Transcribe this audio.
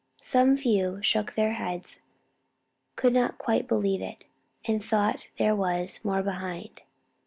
Some few shook their heads; could not quite believe it; and thought there was "more behind."